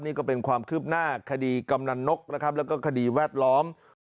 นี่ก็เป็นความคืบหน้าคดีกำนันนกนะครับแล้วก็คดีแวดล้อม